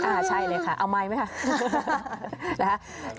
อ่าใช่เลยค่ะเอาไมค์ไหมคะ